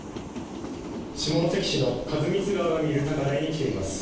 下関市の員光川が見える高台に来ています。